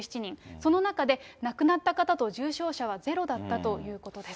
その中で亡くなった方と重症者は０だったということです。